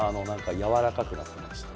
やわらかくなってました。